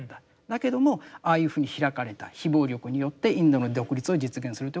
だけどもああいうふうに開かれた非暴力によってインドの独立を実現するということがあった。